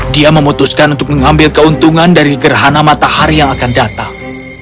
dia memutuskan untuk mengambil keuntungan dari gerhana matahari yang akan datang